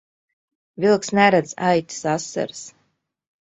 Vilks neredz aitas asaras.